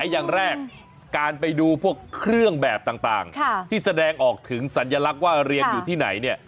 อย่างแรกการไปดูพวกเครื่องแบบต่างที่แสดงออกถึงสัญลักษณ์ว่าเรียนอยู่ที่ไหนเนี่ย